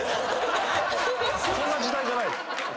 そんな時代じゃないよ。